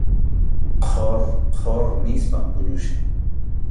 Qhur qhur nispam puñuchkan.